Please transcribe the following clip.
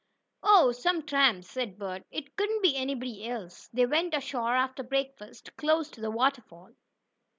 "Oh, some tramps," said Bert. "It couldn't be anybody else." They went ashore after breakfast, close to the waterfall.